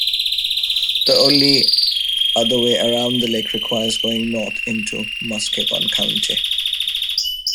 The only other way around the lake requires going north into Muskegon County.